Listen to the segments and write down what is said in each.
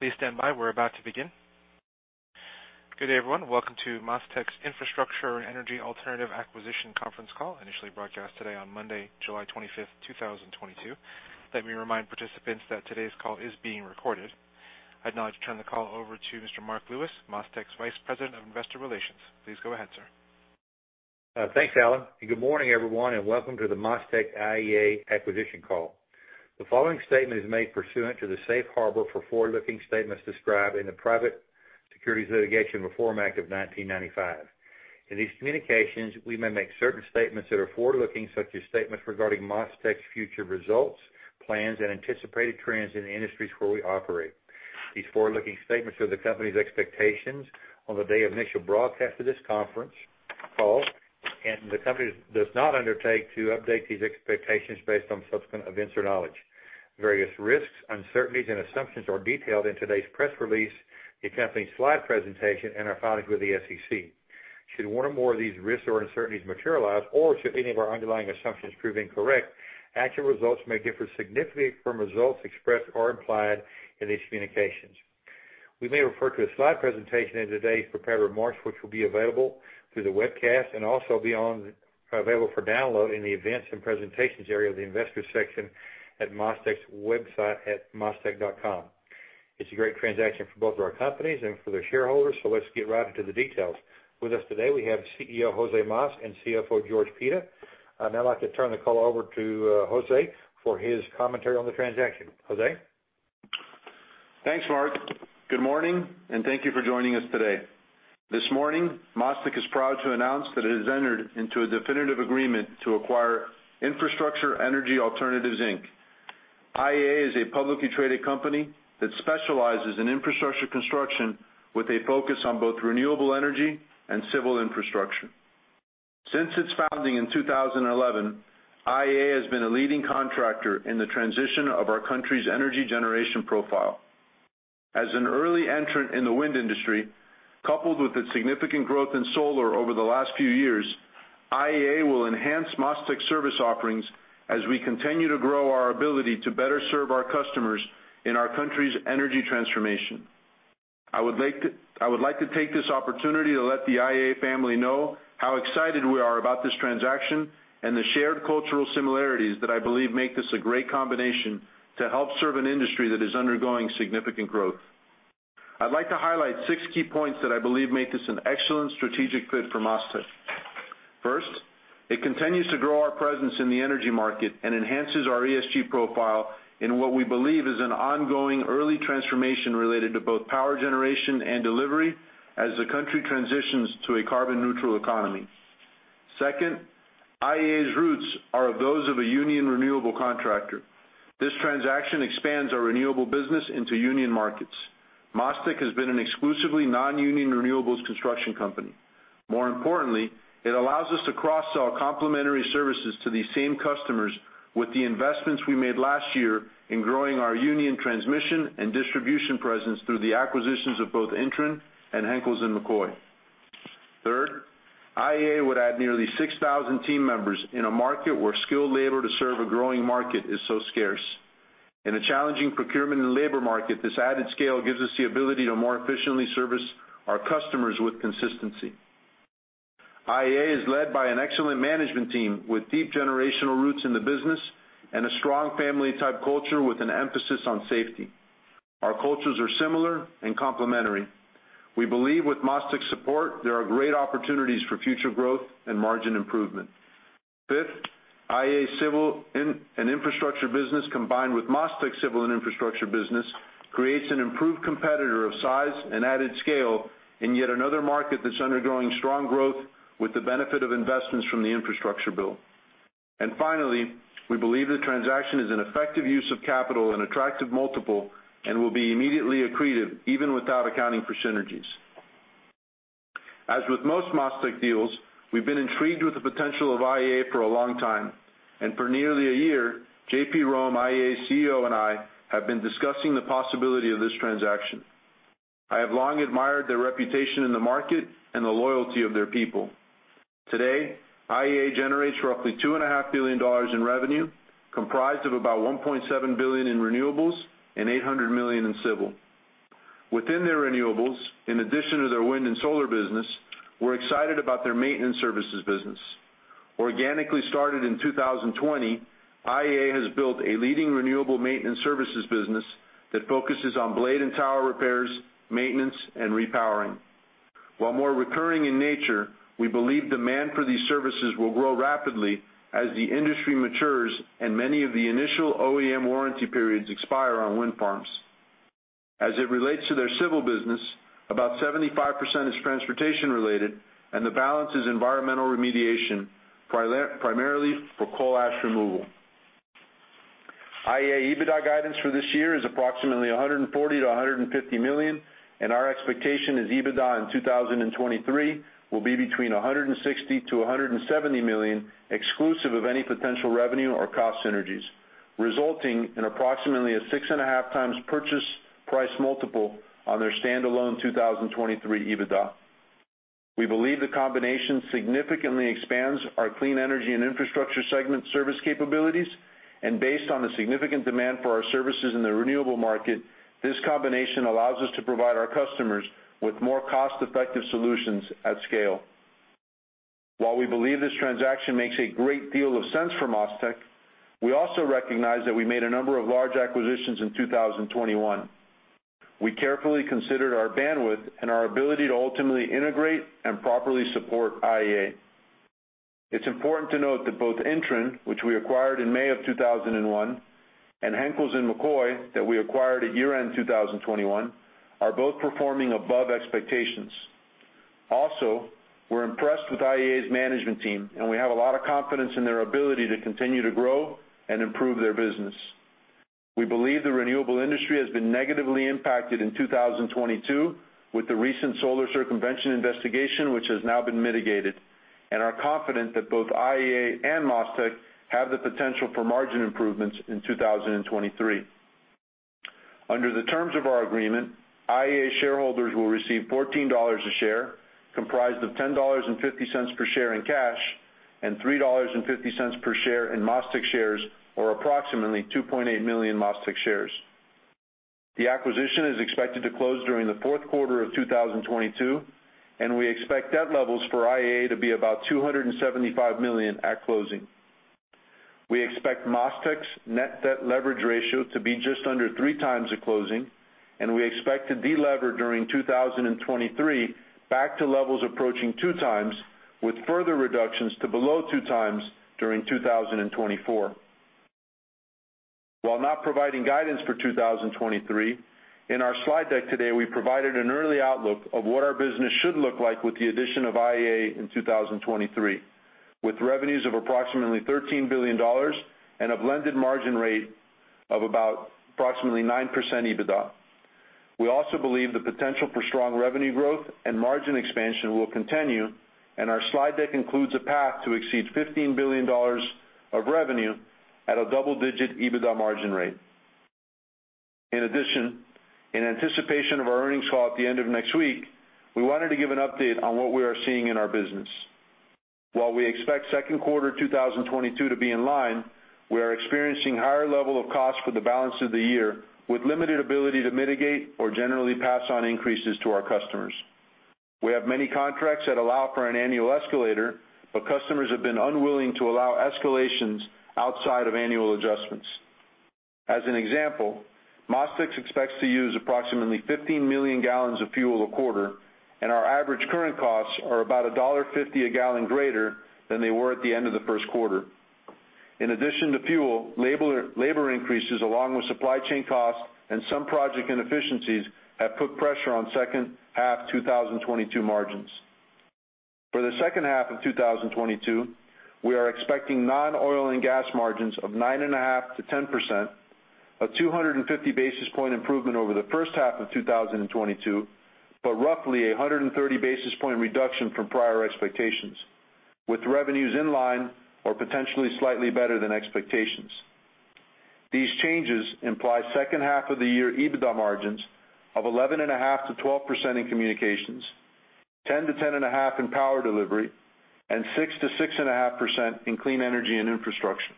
`Please stand by. We're about to begin. Good day, everyone. Welcome to MasTec's Infrastructure and Energy Alternatives Acquisition conference call, initially broadcast today on Monday, July 25, 2022. Let me remind participants that today's call is being recorded. I'd now like to turn the call over to Mr. J. Marc Lewis, MasTec's Vice President of Investor Relations. Please go ahead, sir. Thanks, Alan. Good morning, everyone, and welcome to the MasTec IEA Acquisition call. The following statement is made pursuant to the safe harbor for forward-looking statements described in the Private Securities Litigation Reform Act of 1995. In these communications, we may make certain statements that are forward-looking, such as statements regarding MasTec's future results, plans, and anticipated trends in the industries where we operate. These forward-looking statements are the company's expectations on the day of initial broadcast of this conference call, and the company does not undertake to update these expectations based on subsequent events or knowledge. Various risks, uncertainties, and assumptions are detailed in today's press release, the accompanying slide presentation, and our filings with the SEC. Should one or more of these risks or uncertainties materialize, or should any of our underlying assumptions prove incorrect, actual results may differ significantly from results expressed or implied in these communications. We may refer to a slide presentation in today's prepared remarks, which will be available through the webcast and also available for download in the Events and Presentations area of the Investors section at MasTec's website at mastec.com. It's a great transaction for both of our companies and for their shareholders, so let's get right into the details. With us today, we have CEO José Mas and CFO George Pita. I'd now like to turn the call over to Jose for his commentary on the transaction. Jose? Thanks, Mark. Good morning, and thank you for joining us today. This morning, MasTec is proud to announce that it has entered into a definitive agreement to acquire Infrastructure and Energy Alternatives, Inc. IEA is a publicly traded company that specializes in infrastructure construction with a focus on both renewable energy and civil infrastructure. Since its founding in 2011, IEA has been a leading contractor in the transition of our country's energy generation profile. As an early entrant in the wind industry, coupled with its significant growth in solar over the last few years, IEA will enhance MasTec's service offerings as we continue to grow our ability to better serve our customers in our country's energy transformation. I would like to take this opportunity to let the IEA family know how excited we are about this transaction and the shared cultural similarities that I believe make this a great combination to help serve an industry that is undergoing significant growth. I'd like to highlight six key points that I believe make this an excellent strategic fit for MasTec. First, it continues to grow our presence in the energy market and enhances our ESG profile in what we believe is an ongoing early transformation related to both power generation and delivery as the country transitions to a carbon neutral economy. Second, IEA's roots are those of a union renewable contractor. This transaction expands our renewable business into union markets. MasTec has been an exclusively non-union renewables construction company. More importantly, it allows us to cross-sell complementary services to these same customers with the investments we made last year in growing our union transmission and distribution presence through the acquisitions of both INTREN and Henkels & McCoy. Third, IEA would add nearly 6,000 team members in a market where skilled labor to serve a growing market is so scarce. In a challenging procurement and labor market, this added scale gives us the ability to more efficiently service our customers with consistency. IEA is led by an excellent management team with deep generational roots in the business and a strong family-type culture with an emphasis on safety. Our cultures are similar and complementary. We believe with MasTec's support, there are great opportunities for future growth and margin improvement. Fifth, IEA civil in- and infrastructure business combined with MasTec's civil and infrastructure business creates an improved competitor of size and added scale in yet another market that's undergoing strong growth with the benefit of investments from the infrastructure bill. Finally, we believe the transaction is an effective use of capital and attractive multiple and will be immediately accretive even without accounting for synergies. As with most MasTec deals, we've been intrigued with the potential of IEA for a long time. For nearly a year, JP Roehm, IEA's CEO, and I have been discussing the possibility of this transaction. I have long admired their reputation in the market and the loyalty of their people. Today, IEA generates roughly $2.5 billion in revenue, comprised of about $1.7 billion in renewables and $800 million in civil. Within their renewables, in addition to their wind and solar business, we're excited about their maintenance services business. Organically started in 2020, IEA has built a leading renewable maintenance services business that focuses on blade and tower repairs, maintenance, and repowering. While more recurring in nature, we believe demand for these services will grow rapidly as the industry matures and many of the initial OEM warranty periods expire on wind farms. As it relates to their civil business, about 75% is transportation related, and the balance is environmental remediation, primarily for coal ash removal. IEA EBITDA guidance for this year is approximately $140 million-$150 million, and our expectation is EBITDA in 2023 will be between $160 million-$170 million, exclusive of any potential revenue or cost synergies, resulting in approximately a 6.5x purchase price multiple on their standalone 2023 EBITDA. We believe the combination significantly expands our clean energy and infrastructure segment service capabilities. Based on the significant demand for our services in the renewable market, this combination allows us to provide our customers with more cost-effective solutions at scale. While we believe this transaction makes a great deal of sense for MasTec, we also recognize that we made a number of large acquisitions in 2021. We carefully considered our bandwidth and our ability to ultimately integrate and properly support IEA. It's important to note that both INTREN, which we acquired in May of 2001, and Henkels & McCoy, that we acquired at year-end 2021, are both performing above expectations. Also, we're impressed with IEA's management team, and we have a lot of confidence in their ability to continue to grow and improve their business. We believe the renewable industry has been negatively impacted in 2022 with the recent solar circumvention investigation, which has now been mitigated, and are confident that both IEA and MasTec have the potential for margin improvements in 2023. Under the terms of our agreement, IEA shareholders will receive $14 a share, comprised of $10.50 per share in cash and $3.50 per share in MasTec shares, or approximately 2.8 million MasTec shares. The acquisition is expected to close during the fourth quarter of 2022, and we expect debt levels for IEA to be about $275 million at closing. We expect MasTec's net debt leverage ratio to be just under 3x at closing, and we expect to delever during 2023 back to levels approaching 2x, with further reductions to below 2x during 2024. While not providing guidance for 2023, in our slide deck today, we provided an early outlook of what our business should look like with the addition of IEA in 2023, with revenues of approximately $13 billion and a blended margin rate of about approximately 9% EBITDA. We also believe the potential for strong revenue growth and margin expansion will continue, and our slide deck includes a path to exceed $15 billion of revenue at a double-digit EBITDA margin rate. In addition, in anticipation of our earnings call at the end of next week, we wanted to give an update on what we are seeing in our business. While we expect second quarter 2022 to be in line, we are experiencing higher level of cost for the balance of the year with limited ability to mitigate or generally pass on increases to our customers. We have many contracts that allow for an annual escalator, but customers have been unwilling to allow escalations outside of annual adjustments. As an example, MasTec expects to use approximately 15 million gallons of fuel a quarter, and our average current costs are about $1.50 a gallon greater than they were at the end of the first quarter. In addition to fuel, labor increases along with supply chain costs and some project inefficiencies have put pressure on second half 2022 margins. For the second half of 2022, we are expecting non-oil and gas margins of 9.5%-10%, a 250 basis point improvement over the first half of 2022, but roughly a 130 basis point reduction from prior expectations, with revenues in line or potentially slightly better than expectations. These changes imply second half of the year EBITDA margins of 11.5%-12% in communications, 10%-10.5% in power delivery, and 6%-6.5% in clean energy and infrastructure.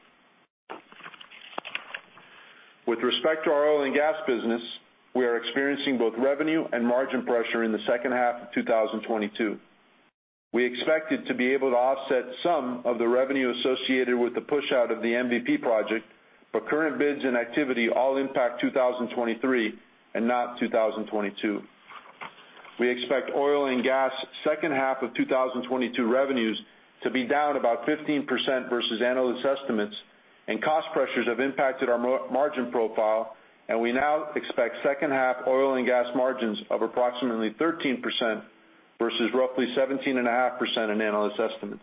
With respect to our oil and gas business, we are experiencing both revenue and margin pressure in the second half of 2022. We expected to be able to offset some of the revenue associated with the push out of the MVP project, but current bids and activity all impact 2023 and not 2022. We expect oil and gas second half of 2022 revenues to be down about 15% versus analyst estimates and cost pressures have impacted our margin profile, and we now expect second half oil and gas margins of approximately 13% versus roughly 17.5% in analyst estimates.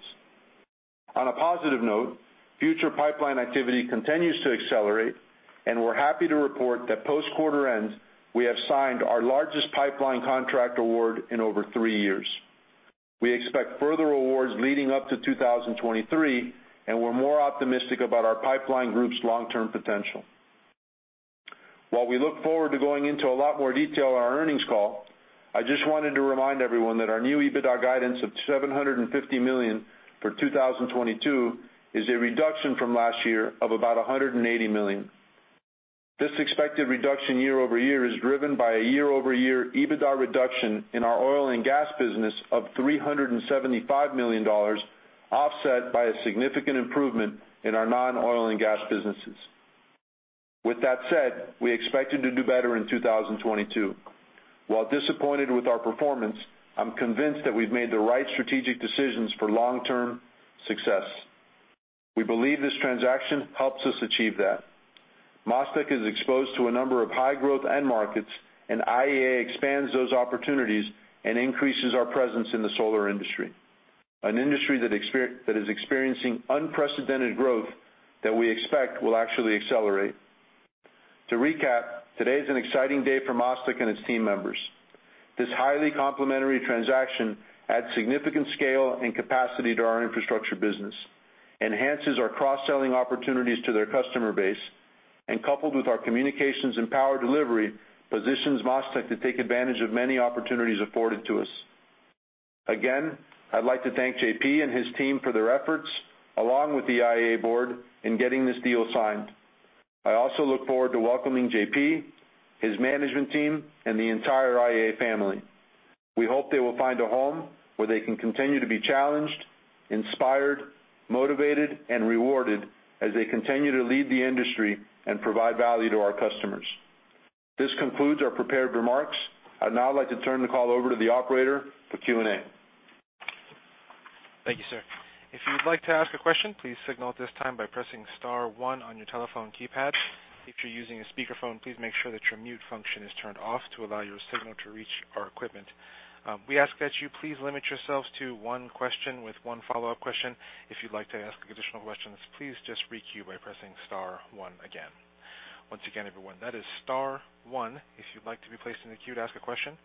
On a positive note, future pipeline activity continues to accelerate, and we're happy to report that post-quarter end, we have signed our largest pipeline contract award in over three years. We expect further awards leading up to 2023, and we're more optimistic about our pipeline group's long-term potential. While we look forward to going into a lot more detail on our earnings call, I just wanted to remind everyone that our new EBITDA guidance of $750 million for 2022 is a reduction from last year of about $180 million. This expected reduction year-over-year is driven by a year-over-year EBITDA reduction in our oil and gas business of $375 million, offset by a significant improvement in our non-oil and gas businesses. With that said, we expected to do better in 2022. While disappointed with our performance, I'm convinced that we've made the right strategic decisions for long-term success. We believe this transaction helps us achieve that. MasTec is exposed to a number of high-growth end markets, and IEA expands those opportunities and increases our presence in the solar industry, an industry that is experiencing unprecedented growth that we expect will actually accelerate. To recap, today is an exciting day for MasTec and its team members. This highly complementary transaction adds significant scale and capacity to our infrastructure business, enhances our cross-selling opportunities to their customer base. Coupled with our communications and power delivery, positions MasTec to take advantage of many opportunities afforded to us. Again, I'd like to thank JP and his team for their efforts, along with the IEA board in getting this deal signed. I also look forward to welcoming JP, his management team, and the entire IEA family. We hope they will find a home where they can continue to be challenged, inspired, motivated, and rewarded as they continue to lead the industry and provide value to our customers. This concludes our prepared remarks. I'd now like to turn the call over to the operator for Q&A. Thank you, sir. If you'd like to ask a question, please signal at this time by pressing star one on your telephone keypad. If you're using a speakerphone, please make sure that your mute function is turned off to allow your signal to reach our equipment. We ask that you please limit yourselves to one question with one follow-up question. If you'd like to ask additional questions, please just re-queue by pressing star one again. Once again, everyone, that is star one if you'd like to be placed in the queue to ask a question.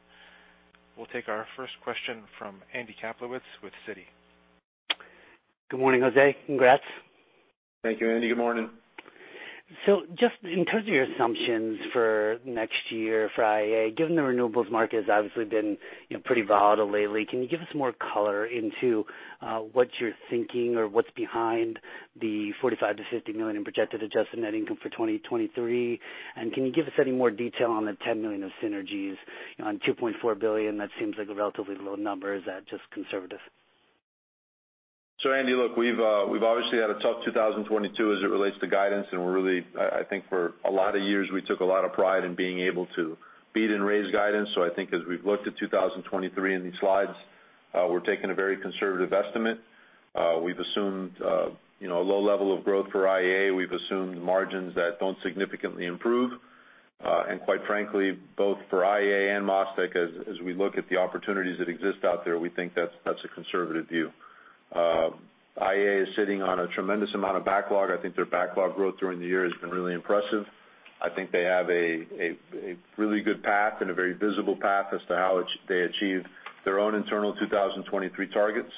We'll take our first question from Andy Kaplowitz with Citi. Good morning, Jose. Congrats. Thank you, Andy. Good morning. Just in terms of your assumptions for next year for IEA, given the renewables market has obviously been, you know, pretty volatile lately, can you give us more color into what you're thinking or what's behind the $45-$50 million projected adjusted net income for 2023? And can you give us any more detail on the $10 million of synergies on $2.4 billion? That seems like a relatively low number. Is that just conservative? Andy, look, we've obviously had a tough 2022 as it relates to guidance, and we're really I think for a lot of years we took a lot of pride in being able to beat and raise guidance. I think as we've looked at 2023 in these slides, we're taking a very conservative estimate. We've assumed you know a low level of growth for IEA. We've assumed margins that don't significantly improve. And quite frankly, both for IEA and MasTec, as we look at the opportunities that exist out there, we think that's a conservative view. IEA is sitting on a tremendous amount of backlog. I think their backlog growth during the year has been really impressive. I think they have a really good path and a very visible path as to how they achieve their own internal 2023 targets.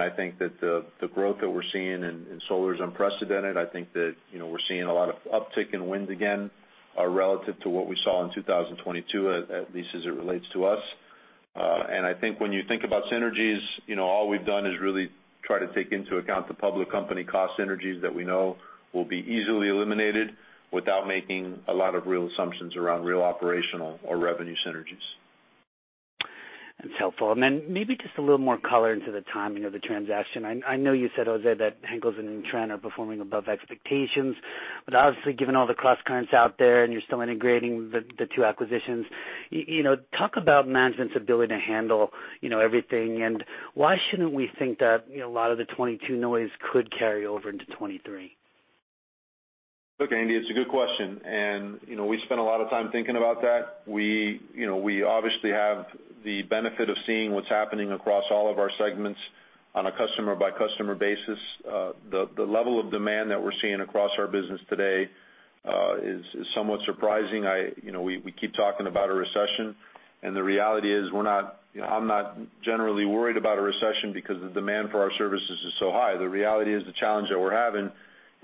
I think that the growth that we're seeing in solar is unprecedented. I think that, you know, we're seeing a lot of uptick in wind again, relative to what we saw in 2022, at least as it relates to us. I think when you think about synergies, you know, all we've done is really try to take into account the public company cost synergies that we know will be easily eliminated without making a lot of real assumptions around real operational or revenue synergies. That's helpful. Then maybe just a little more color into the timing of the transaction. I know you said, José, that Henkels & McCoy and INTREN are performing above expectations, but obviously, given all the crosscurrents out there and you're still integrating the two acquisitions, you know, talk about management's ability to handle, you know, everything. Why shouldn't we think that, you know, a lot of the 2022 noise could carry over into 2023? Look, Andy, it's a good question. You know, we spent a lot of time thinking about that. We, you know, we obviously have the benefit of seeing what's happening across all of our segments on a customer-by-customer basis. The level of demand that we're seeing across our business today is somewhat surprising. You know, we keep talking about a recession, and the reality is I'm not generally worried about a recession because the demand for our services is so high. The reality is the challenge that we're having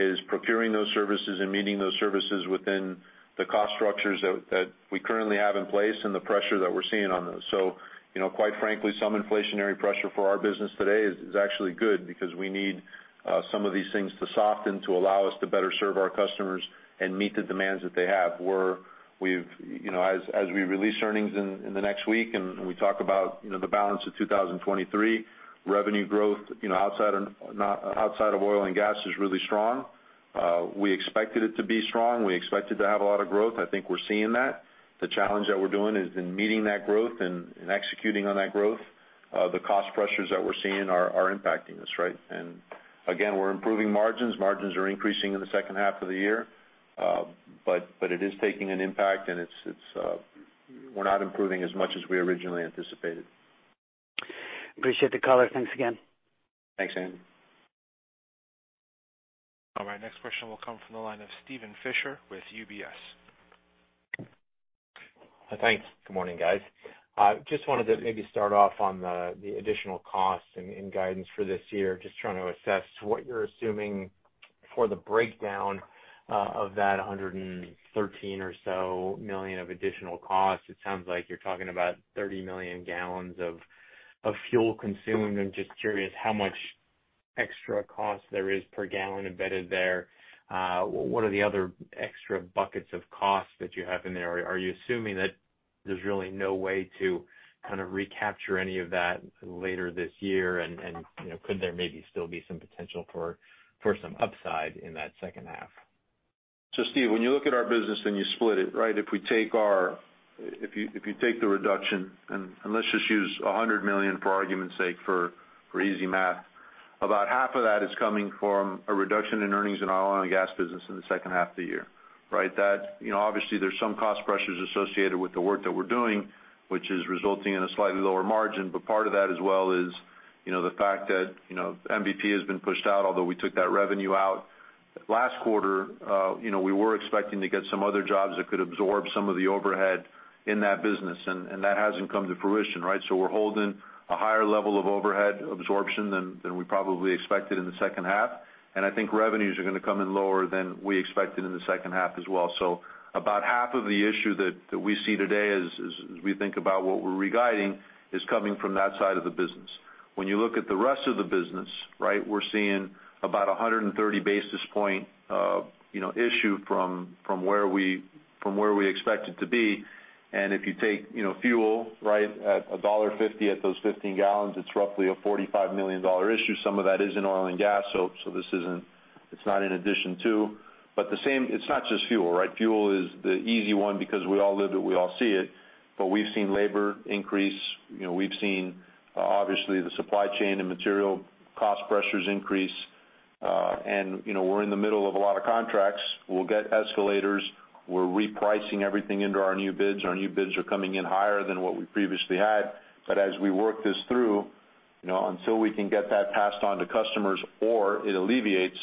is procuring those services and meeting those services within the cost structures that we currently have in place and the pressure that we're seeing on those. You know, quite frankly, some inflationary pressure for our business today is actually good because we need some of these things to soften to allow us to better serve our customers and meet the demands that they have. You know, as we release earnings in the next week and we talk about, you know, the balance of 2023, revenue growth, you know, outside of oil and gas is really strong. We expected it to be strong. We expected to have a lot of growth. I think we're seeing that. The challenge that we're doing is in meeting that growth and executing on that growth. The cost pressures that we're seeing are impacting us, right? Again, we're improving margins. Margins are increasing in the second half of the year. It is taking an impact. We're not improving as much as we originally anticipated. Appreciate the color. Thanks again. Thanks, Andy. All right, next question will come from the line of Steven Fisher with UBS. Thanks. Good morning, guys. Just wanted to maybe start off on the additional costs and guidance for this year. Just trying to assess what you're assuming for the breakdown of that $113 million or so of additional costs. It sounds like you're talking about 30 million gallons of fuel consumed. I'm just curious how much extra cost there is per gallon embedded there. What are the other extra buckets of costs that you have in there? Are you assuming that there's really no way to kind of recapture any of that later this year? You know, could there maybe still be some potential for some upside in that second half? Steven, when you look at our business, then you split it, right? If you take the reduction, and let's just use $100 million for argument's sake for easy math, about half of that is coming from a reduction in earnings in our oil and gas business in the second half of the year, right? You know, obviously there's some cost pressures associated with the work that we're doing, which is resulting in a slightly lower margin, but part of that as well is, you know, the fact that, you know, MVP has been pushed out, although we took that revenue out last quarter, you know, we were expecting to get some other jobs that could absorb some of the overhead in that business, and that hasn't come to fruition, right? We're holding a higher level of overhead absorption than we probably expected in the second half. I think revenues are gonna come in lower than we expected in the second half as well. About half of the issue that we see today as we think about what we're reguiding is coming from that side of the business. When you look at the rest of the business, right, we're seeing about 130 basis points issue from where we expect it to be. If you take fuel, right, at $1.50 at those 15 gallons, it's roughly a $45 million issue. Some of that is in oil and gas, so this isn't it. It's not in addition to. But the same. It's not just fuel, right? Fuel is the easy one because we all live it, we all see it, but we've seen labor increase. You know, we've seen, obviously the supply chain and material cost pressures increase, and, you know, we're in the middle of a lot of contracts. We'll get escalators. We're repricing everything into our new bids. Our new bids are coming in higher than what we previously had. As we work this through, you know, until we can get that passed on to customers or it alleviates,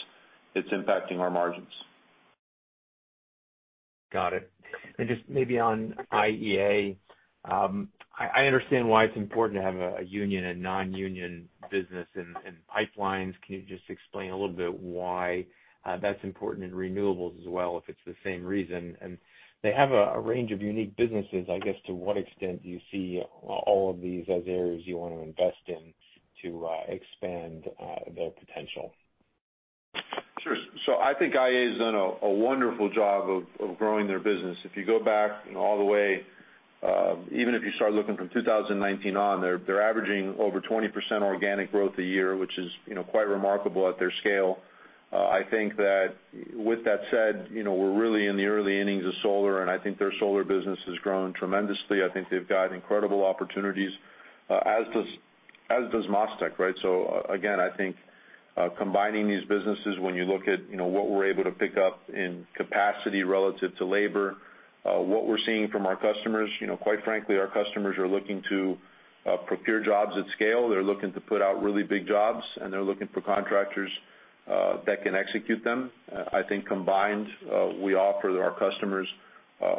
it's impacting our margins. Got it. Just maybe on IEA, I understand why it's important to have a union and non-union business in pipelines. Can you just explain a little bit why that's important in renewables as well, if it's the same reason? They have a range of unique businesses. I guess, to what extent do you see all of these as areas you wanna invest in to expand their potential? Sure. I think IEA has done a wonderful job of growing their business. If you go back, you know, all the way, even if you start looking from 2019 on, they're averaging over 20% organic growth a year, which is, you know, quite remarkable at their scale. I think that with that said, you know, we're really in the early innings of solar, and I think their solar business has grown tremendously. I think they've got incredible opportunities, as does MasTec, right? Again, I think combining these businesses, when you look at, you know, what we're able to pick up in capacity relative to labor, what we're seeing from our customers, you know, quite frankly, our customers are looking to procure jobs at scale. They're looking to put out really big jobs, and they're looking for contractors that can execute them. I think combined, we offer our customers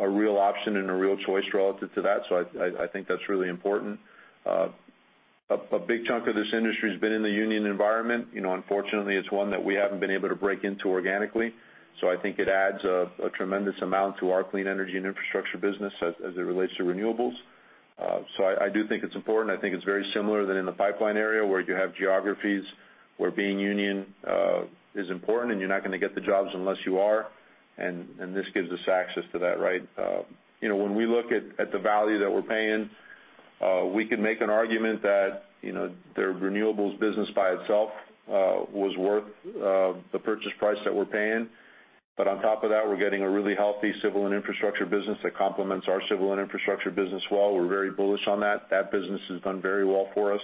a real option and a real choice relative to that. I think that's really important. A big chunk of this industry has been in the union environment. You know, unfortunately, it's one that we haven't been able to break into organically, so I think it adds a tremendous amount to our clean energy and infrastructure business as it relates to renewables. I do think it's important. I think it's very similar than in the pipeline area, where you have geographies where being union is important and you're not gonna get the jobs unless you are, and this gives us access to that, right? You know, when we look at the value that we're paying, we can make an argument that, you know, their renewables business by itself was worth the purchase price that we're paying. On top of that, we're getting a really healthy civil and infrastructure business that complements our civil and infrastructure business well. We're very bullish on that. That business has done very well for us.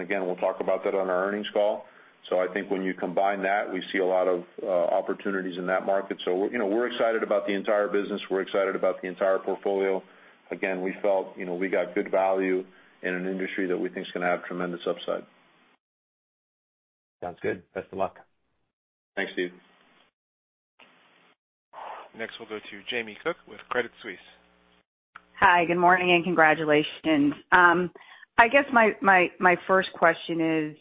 Again, we'll talk about that on our earnings call. I think when you combine that, we see a lot of opportunities in that market. We're, you know, we're excited about the entire business. We're excited about the entire portfolio. Again, we felt, you know, we got good value in an industry that we think is gonna have tremendous upside. Sounds good. Best of luck. Thanks, Steve. Next, we'll go to Jamie Cook with Credit Suisse. Hi, good morning, and congratulations. I guess my first question is,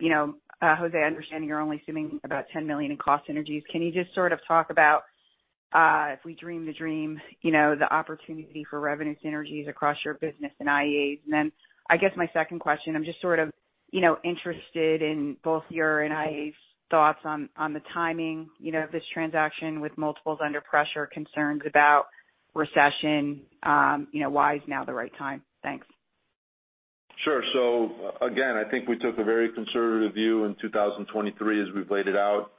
you know, José, I understand you're only assuming about $10 million in cost synergies. Can you just sort of talk about, if we dream the dream, you know, the opportunity for revenue synergies across your business and IEA's? I guess my second question, I'm just sort of, you know, interested in both your and IEA's thoughts on the timing, you know, of this transaction with multiples under pressure, concerns about recession, you know, why is now the right time? Thanks. Sure. Again, I think we took a very conservative view in 2023 as we've laid it out.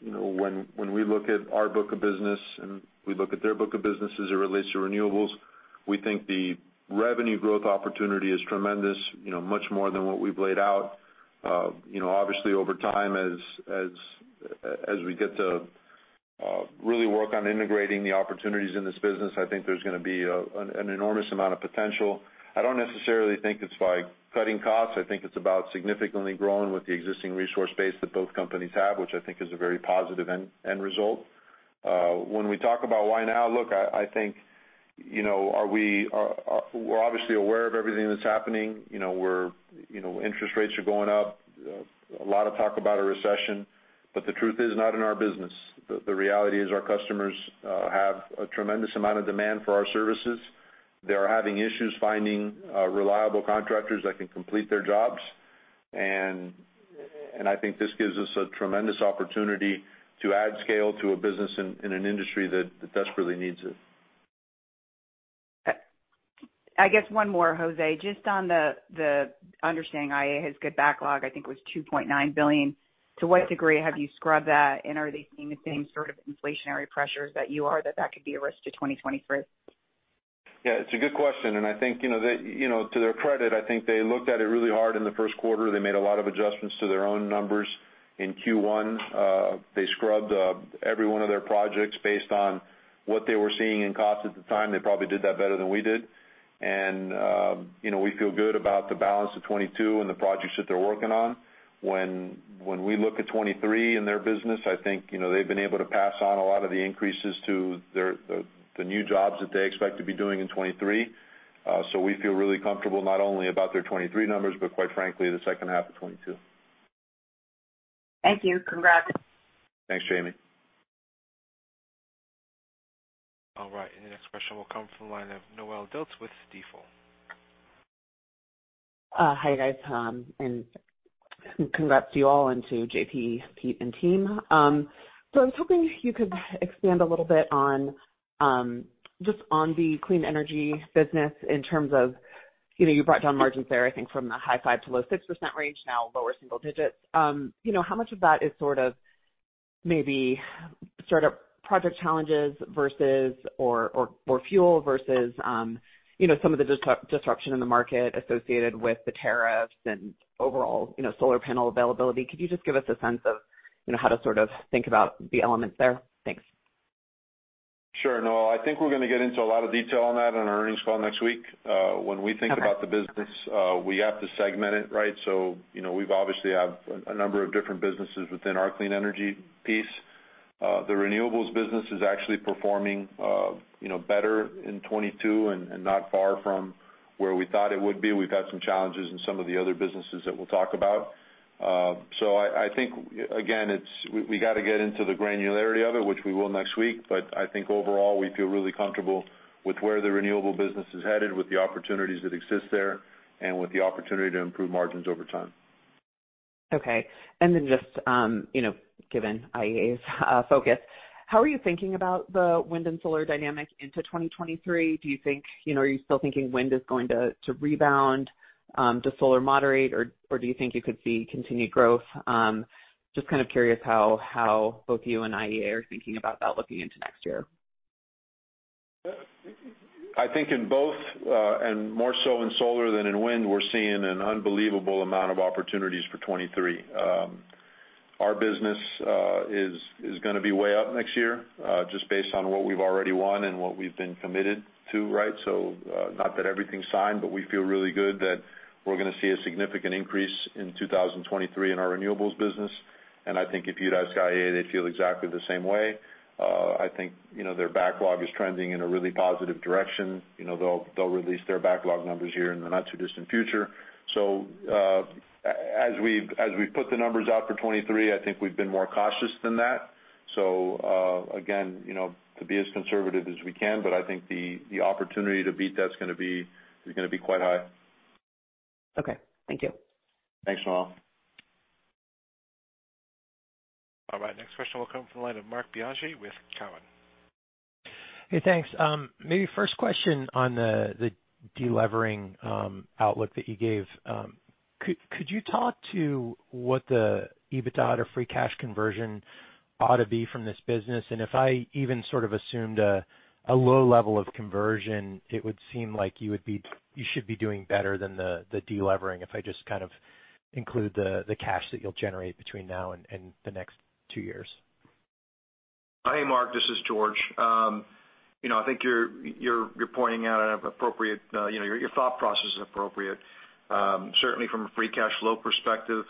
You know, when we look at our book of business and we look at their book of business as it relates to renewables, we think the revenue growth opportunity is tremendous, you know, much more than what we've laid it out. Obviously, over time as we get to really work on integrating the opportunities in this business, I think there's gonna be an enormous amount of potential. I don't necessarily think it's by cutting costs. I think it's about significantly growing with the existing resource base that both companies have, which I think is a very positive end result. When we talk about why now, look, I think, you know, we're obviously aware of everything that's happening. You know, we're, you know, interest rates are going up, a lot of talk about a recession, but the truth is, not in our business. The reality is our customers have a tremendous amount of demand for our services. They are having issues finding reliable contractors that can complete their jobs. I think this gives us a tremendous opportunity to add scale to a business in an industry that desperately needs it. I guess one more, José. Just on the understanding IEA has good backlog, I think it was $2.9 billion. To what degree have you scrubbed that, and are they seeing the same sort of inflationary pressures that you are that could be a risk to 2023? Yeah, it's a good question, and I think, you know, they, you know, to their credit, I think they looked at it really hard in the first quarter. They made a lot of adjustments to their own numbers in Q1. They scrubbed every one of their projects based on what they were seeing in cost at the time, they probably did that better than we did. We feel good about the balance of 2022 and the projects that they're working on. When we look at 2023 in their business, I think, you know, they've been able to pass on a lot of the increases to the new jobs that they expect to be doing in 2023. We feel really comfortable not only about their 2023 numbers, but quite frankly, the second half of 2022. Thank you. Congrats. Thanks, Jamie. All right. The next question will come from the line of Noelle Dilts with Stifel. Hi, guys. Congrats to you all and to JP, Pete, and team. I was hoping you could expand a little bit on just on the clean energy business in terms of, you know, you brought down margins there, I think from the high-5% to low-6% range, now lower single digits. You know, how much of that is sort of maybe startup project challenges versus or fuel versus, you know, some of the disruption in the market associated with the tariffs and overall, you know, solar panel availability? Could you just give us a sense of, you know, how to sort of think about the elements there? Thanks. Sure. No, I think we're gonna get into a lot of detail on that on our earnings call next week. Okay. About the business, we have to segment it, right? You know, we've obviously have a number of different businesses within our clean energy piece. The renewables business is actually performing, you know, better in 2022 and not far from where we thought it would be. We've had some challenges in some of the other businesses that we'll talk about. I think, again, we gotta get into the granularity of it, which we will next week. I think overall, we feel really comfortable with where the renewable business is headed, with the opportunities that exist there, and with the opportunity to improve margins over time. Okay. Just, you know, given IEA's focus, how are you thinking about the wind and solar dynamic into 2023? Do you think, you know, are you still thinking wind is going to rebound, solar moderate, or do you think you could see continued growth? Just kind of curious how both you and IEA are thinking about that looking into next year. I think in both, and more so in solar than in wind, we're seeing an unbelievable amount of opportunities for 2023. Our business is gonna be way up next year, just based on what we've already won and what we've been committed to, right? Not that everything's signed, but we feel really good that we're gonna see a significant increase in 2023 in our renewables business. I think if you'd ask IEA, they'd feel exactly the same way. I think, you know, their backlog is trending in a really positive direction. You know, they'll release their backlog numbers here in the not too distant future. As we put the numbers out for 2023, I think we've been more cautious than that. Again, you know, to be as conservative as we can, but I think the opportunity to beat that is gonna be quite high. Okay. Thank you. Thanks, Noelle. All right, next question will come from the line of Marc Bianchi with Cowen. Hey, thanks. Maybe first question on the deleveraging outlook that you gave. Could you talk to what the EBITDA or free cash conversion ought to be from this business? If I even sort of assumed a low level of conversion, it would seem like you should be doing better than the deleveraging if I just kind of include the cash that you'll generate between now and the next two years. Hey, Mark, this is George. You know, I think you're pointing out an appropriate, you know, your thought process is appropriate. Certainly from a free cash flow perspective,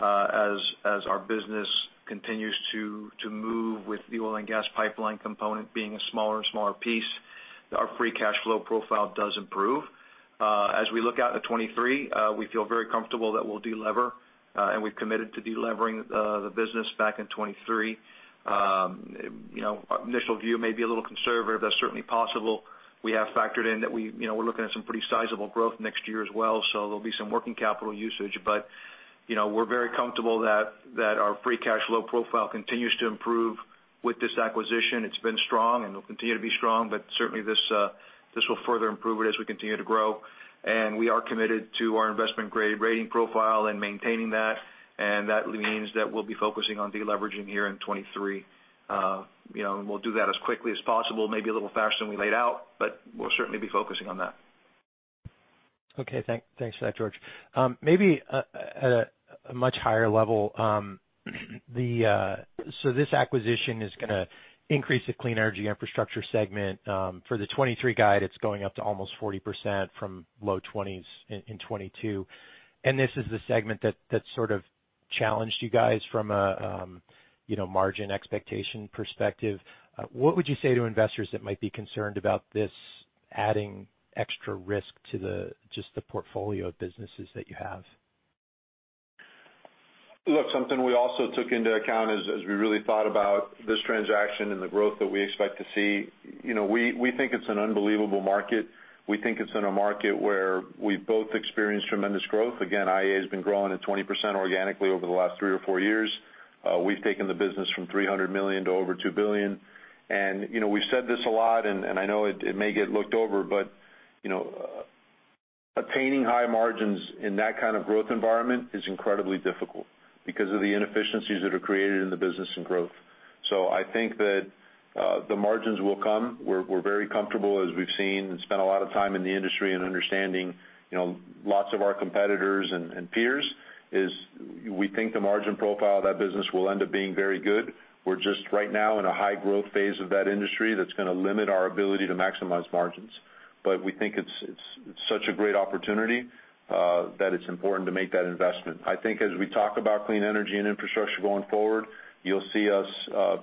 as our business continues to move with the oil and gas pipeline component being a smaller and smaller piece, our free cash flow profile does improve. As we look out at 2023, we feel very comfortable that we'll delever, and we've committed to delevering the business back in 2023. You know, our initial view may be a little conservative. That's certainly possible. We have factored in that we, you know, we're looking at some pretty sizable growth next year as well, so there'll be some working capital usage. You know, we're very comfortable that our free cash flow profile continues to improve with this acquisition. It's been strong and will continue to be strong, but certainly this will further improve it as we continue to grow. We are committed to our investment grade rating profile and maintaining that, and that means that we'll be focusing on deleveraging here in 2023. You know, we'll do that as quickly as possible, maybe a little faster than we laid out, but we'll certainly be focusing on that. Okay. Thanks for that, George. Maybe at a much higher level, this acquisition is gonna increase the clean energy infrastructure segment. For the 2023 guide, it's going up to almost 40% from low 20s% in 2022, and this is the segment that sort of challenged you guys from a, you know, margin expectation perspective. What would you say to investors that might be concerned about this adding extra risk to just the portfolio of businesses that you have? Look, something we also took into account as we really thought about this transaction and the growth that we expect to see, you know, we think it's an unbelievable market. We think it's in a market where we've both experienced tremendous growth. Again, IEA has been growing at 20% organically over the last three years or four years. We've taken the business from $300 million to over $2 billion. And, you know, we've said this a lot, and I know it may get looked over, but, you know, attaining high margins in that kind of growth environment is incredibly difficult because of the inefficiencies that are created in the business and growth. I think that the margins will come. We're very comfortable as we've seen and spent a lot of time in the industry and understanding, you know, lots of our competitors and peers. We think the margin profile of that business will end up being very good. We're just right now in a high-growth phase of that industry that's gonna limit our ability to maximize margins. We think it's such a great opportunity that it's important to make that investment. I think as we talk about clean energy and infrastructure going forward, you'll see us,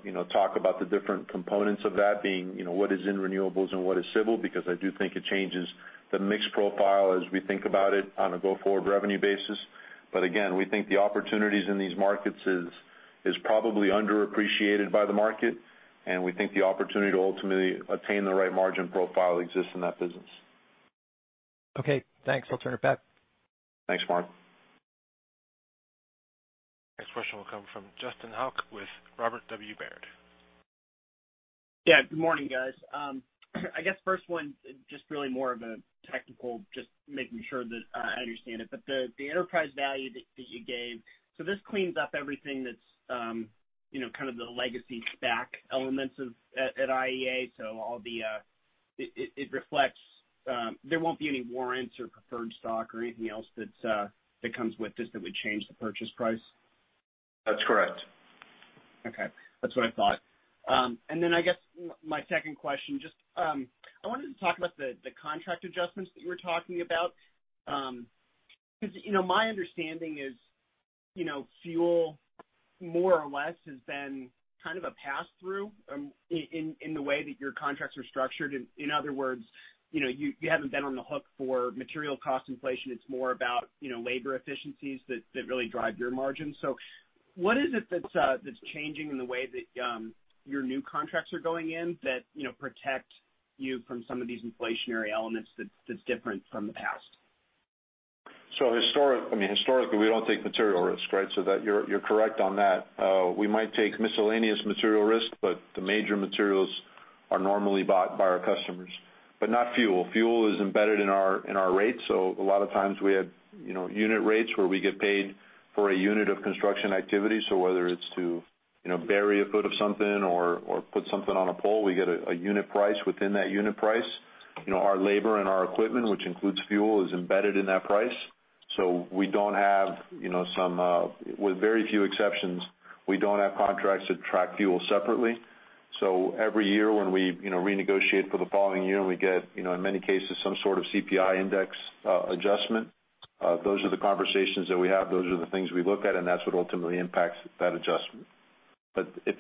you know, talk about the different components of that being, you know, what is in renewables and what is civil, because I do think it changes the mix profile as we think about it on a go-forward revenue basis. Again, we think the opportunities in these markets is probably underappreciated by the market, and we think the opportunity to ultimately attain the right margin profile exists in that business. Okay, thanks. I'll turn it back. Thanks, Mark. Next question will come from Justin Hauke with Robert W. Baird. Yeah, good morning, guys. I guess first one, just really more of a technical, just making sure that I understand it. The enterprise value that you gave, so this cleans up everything that's you know, kind of the legacy stack elements at IEA. It reflects there won't be any warrants or preferred stock or anything else that comes with this that would change the purchase price? That's correct. Okay. That's what I thought. I guess my second question, just, I wanted to talk about the contract adjustments that you were talking about. 'Cause, you know, my understanding is, you know, fuel more or less has been kind of a pass-through, in the way that your contracts are structured. In other words, you know, you haven't been on the hook for material cost inflation. It's more about, you know, labor efficiencies that really drive your margins. What is it that's changing in the way that your new contracts are going in that, you know, protect you from some of these inflationary elements that's different from the past? I mean, historically, we don't take material risk, right? That you're correct on that. We might take miscellaneous material risk, but the major materials are normally bought by our customers. Not fuel. Fuel is embedded in our rates. A lot of times we have, you know, unit rates where we get paid for a unit of construction activity. Whether it's to, you know, bury a foot of something or put something on a pole, we get a unit price. Within that unit price, you know, our labor and our equipment, which includes fuel, is embedded in that price. We don't have, you know, with very few exceptions, contracts that track fuel separately. Every year when we, you know, renegotiate for the following year, and we get, you know, in many cases, some sort of CPI index adjustment, those are the conversations that we have, those are the things we look at, and that's what ultimately impacts that adjustment.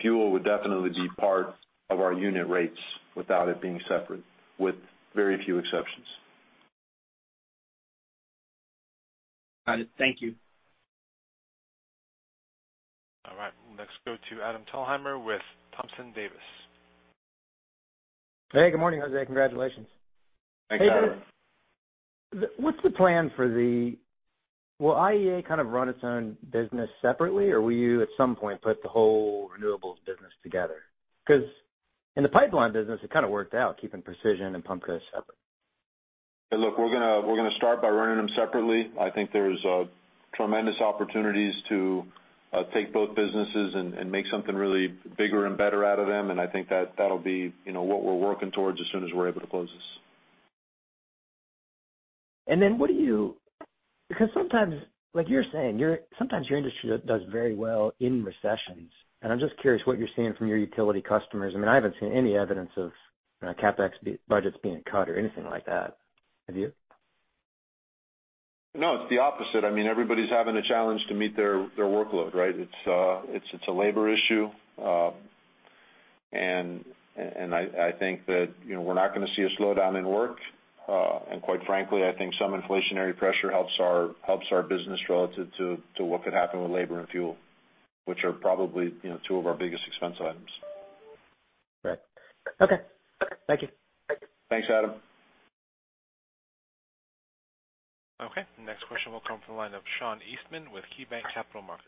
Fuel would definitely be part of our unit rates without it being separate, with very few exceptions. Got it. Thank you. All right, next go to Adam Thalhimer with Thompson Davis & Co. Hey, good morning, Jose. Congratulations. Thanks, Adam. What's the plan? Will IEA kind of run its own business separately, or will you at some point put the whole renewables business together? Because in the pipeline business, it kind of worked out, keeping Precision and Pumpco separate. Hey, look, we're gonna start by running them separately. I think there's tremendous opportunities to take both businesses and make something really bigger and better out of them. I think that that'll be, you know, what we're working towards as soon as we're able to close this. Because sometimes, like you're saying, your industry does very well in recessions. I'm just curious what you're seeing from your utility customers. I mean, I haven't seen any evidence of CapEx budgets being cut or anything like that. Have you? No, it's the opposite. I mean, everybody's having a challenge to meet their workload, right? It's a labor issue. I think that, you know, we're not gonna see a slowdown in work. Quite frankly, I think some inflationary pressure helps our business relative to what could happen with labor and fuel, which are probably, you know, two of our biggest expense items. Right. Okay. Thank you. Thanks, Adam. Okay. Next question will come from the line of Sean Eastman with KeyBanc Capital Markets.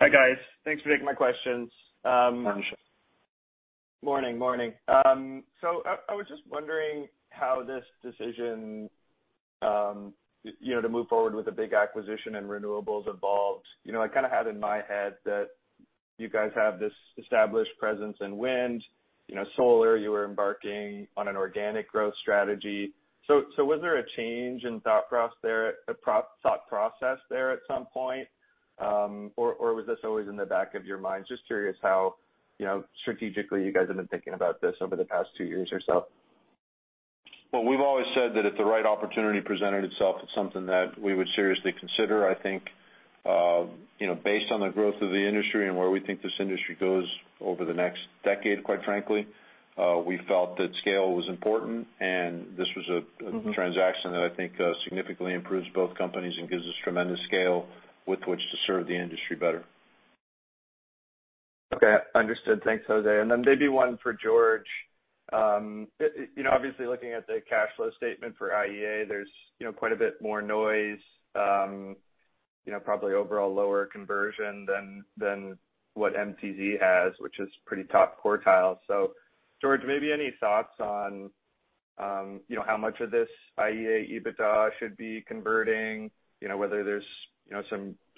Hi, guys. Thanks for taking my questions. Hi, Sean. Morning. I was just wondering how this decision to move forward with a big acquisition in renewables evolved. You know, I kind of had in my head that you guys have this established presence in wind. You know, solar, you were embarking on an organic growth strategy. Was there a change in thought process there at some point? Or was this always in the back of your mind? Just curious how, you know, strategically you guys have been thinking about this over the past two years or so. Well, we've always said that if the right opportunity presented itself, it's something that we would seriously consider. I think, you know, based on the growth of the industry and where we think this industry goes over the next decade, quite frankly, we felt that scale was important, and this was a transaction that I think, significantly improves both companies and gives us tremendous scale with which to serve the industry better. Okay. Understood. Thanks, José. Maybe one for George. You know, obviously looking at the cash flow statement for IEA, there's you know, quite a bit more noise, you know, probably overall lower conversion than what MTZ has, which is pretty top quartile. George, maybe any thoughts on you know, how much of this IEA EBITDA should be converting? You know, whether there's you know,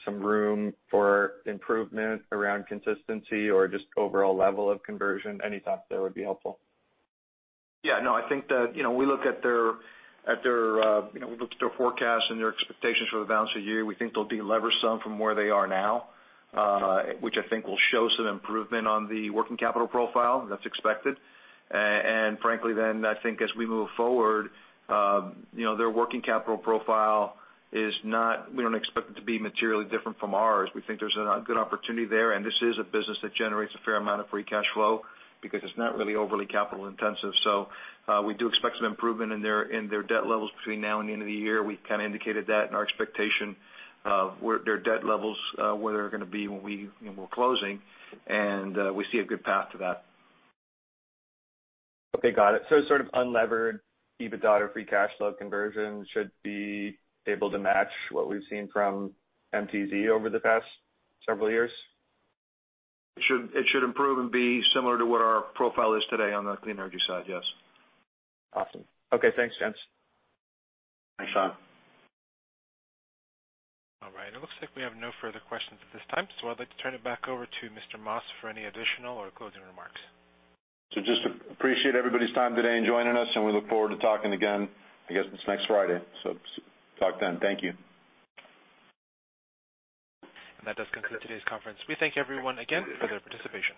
some room for improvement around consistency or just overall level of conversion? Any thoughts there would be helpful. Yeah, no, I think that, you know, we look at their forecast and their expectations for the balance of the year. We think they'll de-lever some from where they are now, which I think will show some improvement on the working capital profile. That's expected. Frankly then, I think as we move forward, you know, we don't expect their working capital profile to be materially different from ours. We think there's a good opportunity there, and this is a business that generates a fair amount of free cash flow because it's not really overly capital intensive. We do expect some improvement in their debt levels between now and the end of the year. We've kind of indicated that in our expectation of where their debt levels where they're gonna be when we, you know, we're closing, and we see a good path to that. Okay, got it. Sort of unlevered EBITDA or free cash flow conversion should be able to match what we've seen from MTZ over the past several years? It should improve and be similar to what our profile is today on the clean energy side, yes. Awesome. Okay, thanks, gents. Thanks, Sean. All right. It looks like we have no further questions at this time, so I'd like to turn it back over to Mr. Mas for any additional or closing remarks. Just appreciate everybody's time today in joining us, and we look forward to talking again, I guess, it's next Friday. We'll talk then. Thank you. That does conclude today's conference. We thank everyone again for their participation.